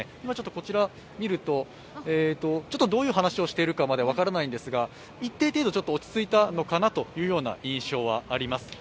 こちら見ると、どういう話をしているかまでは分からないんですが一定程度、落ち着いたのかなという印象はあります。